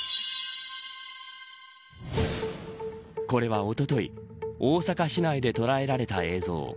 これは、おととい大阪市内で捉えられた映像。